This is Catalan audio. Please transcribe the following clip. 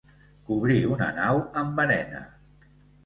Cobrir una nau amb arena.